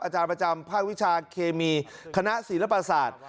อาจารย์ประจำภาควิชาเคมีคณะศิลปศาสตร์